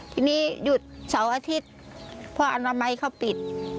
ทีนี้หยุดเสาร์อาทิตย์พออนามัยเขาปิด